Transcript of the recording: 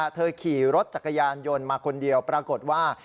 ขี่รถจักรยานยนต์มาคนเดียวปรากฏว่า